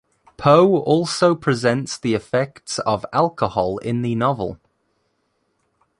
Poe also presents the effects of alcohol in the novel.